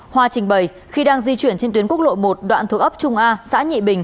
hoa trình bày khi đang di chuyển trên tuyến quốc lộ một đoạn thuộc ấp trung a xã nhị bình